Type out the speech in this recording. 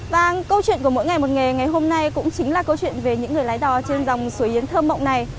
vâng câu chuyện của mỗi ngày một nghề ngày hôm nay cũng chính là câu chuyện về những người lái đò trên dòng suối yến thơm mộng này